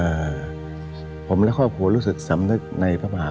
เอ่อผมและครอบครัวรู้สึกสำนึกในอาทิ